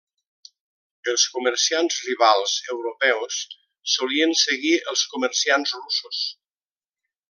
Els comerciants rivals europeus solien seguir els comerciants russos.